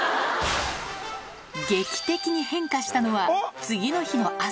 劇的に変化したのは次の日の朝。